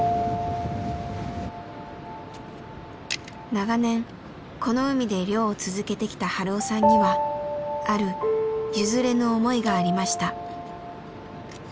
長年この海で漁を続けてきた春雄さんにはある「譲れぬ思い」がありました。